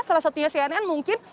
media cnn mungkin